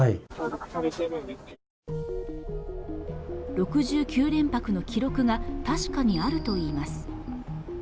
６９連泊の記録が確かにあるといいます。